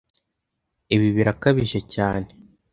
Ibi birakabije cyane